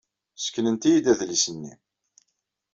Sseknent-iyi-d adlis-nni.